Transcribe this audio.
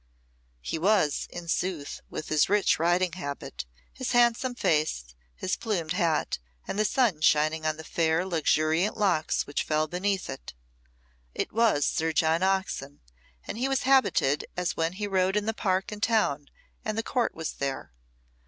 He was, in sooth, with his rich riding habit, his handsome face, his plumed hat, and the sun shining on the fair luxuriant locks which fell beneath it. It was Sir John Oxon, and he was habited as when he rode in the park in town and the court was there.